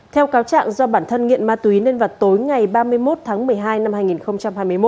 theo cáo trạng do bản thân nghiện ma túy nên vào tối ngày ba mươi một tháng một mươi hai năm hai nghìn hai mươi một